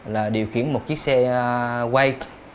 là điều khiển một chiếc xe quay